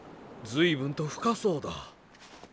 随分と深そうだ。